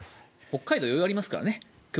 北海道は余裕がありますからね。